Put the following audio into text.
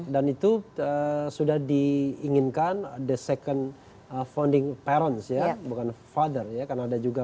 dan itu sudah diinginkan the second founding parents ya bukan father ya karena ada juga